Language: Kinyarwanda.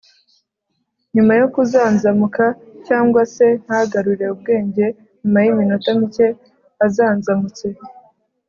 nyuma yo kuzanzamuka cyangwa se ntagarure ubwenge nyuma y iminota mike azanzamutse